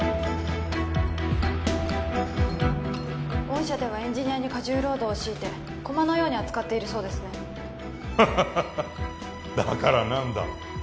御社ではエンジニアに過重労働を強いて駒のように扱っているそうですねハハハハッだから何だ？